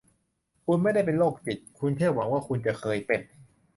คุณไม่ได้เป็นโรคจิต คุณแค่หวังว่าคุณจะเคยเป็น